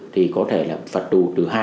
thì có thể là phạt tù từ hai đến bảy năm